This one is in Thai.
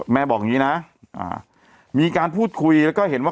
บอกอย่างนี้นะมีการพูดคุยแล้วก็เห็นว่า